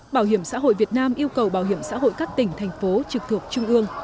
bảo hiểm xã hội việt nam yêu cầu bảo hiểm xã hội các tỉnh thành phố trực thuộc trung ương